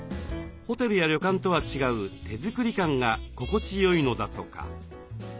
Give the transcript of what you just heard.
ホテルや旅館とは違う手作り感が心地よいのだとか。